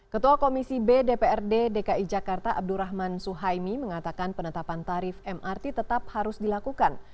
ketua komisi b dprd dki jakarta abdurrahman suhaimi mengatakan penetapan tarif mrt tetap harus dilakukan